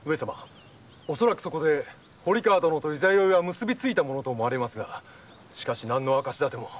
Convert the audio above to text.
恐らくそこで堀川殿と十六夜は結びついたものと思われますがしかし何の証し立ても。